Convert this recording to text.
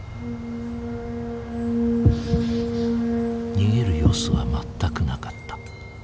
逃げる様子は全くなかった。